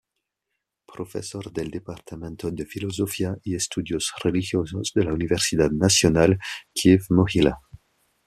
Profesor del Departamento de Filosofía y Estudios Religiosos de la Universidad Nacional "Kyiv-Mohyla".